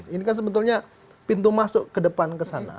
ini kan sebetulnya pintu masuk ke depan kesana